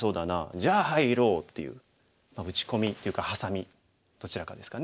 じゃあ入ろう」っていう打ち込みっていうかハサミどちらかですかね。